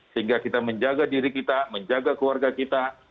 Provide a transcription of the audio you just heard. sehingga kita menjaga diri kita menjaga keluarga kita